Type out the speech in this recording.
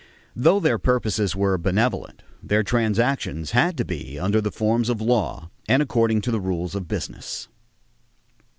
Though their purposes were benevolent, their transactions had to be under the forms of law and according to the rules of business.